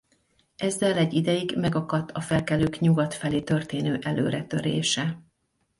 Ezzel egy ideig megakadt a felkelők nyugat felé történő előretörése.